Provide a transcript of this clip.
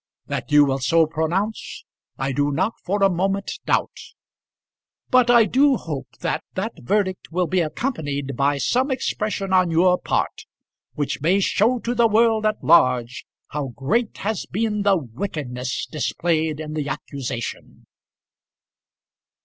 That you will so pronounce I do not for a moment doubt. But I do hope that that verdict will be accompanied by some expression on your part which may show to the world at large how great has been the wickedness displayed in the accusation."